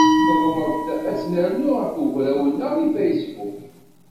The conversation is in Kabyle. Teḍleb-d ad tt-nernu ɣer ugraw-nneɣ deg Facebook.